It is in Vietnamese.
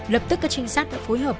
lập tức các trinh sát đã phối hợp